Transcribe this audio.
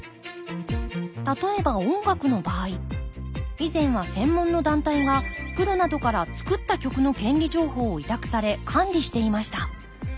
例えば音楽の場合以前は専門の団体がプロなどから作った曲の権利情報を委託され管理していました。